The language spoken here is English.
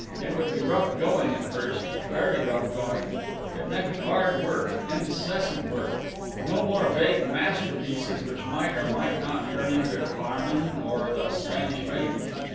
It would be rough going at first, very rough going. It meant hard work, incessant work. No more vague masterpieces which might or might not turn into "Carmen" or "The Spanish Maiden."